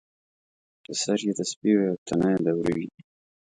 چې سر یې د سپي وي او تنه یې د وري وي.